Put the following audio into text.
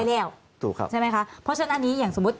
ไปแล้วใช่ไหมครับเพราะฉะนั้นอันนี้อย่างสมมติ